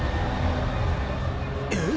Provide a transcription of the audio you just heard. えっ？